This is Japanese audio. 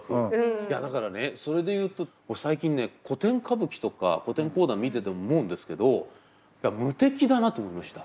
いやだからねそれで言うと俺最近ね古典歌舞伎とか古典講談見てても思うんですけど無敵だなと思いました。